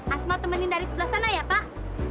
asma temenin dari sebelah sana ya pak